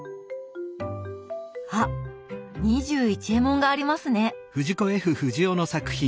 あっ「２１エモン」がありますね。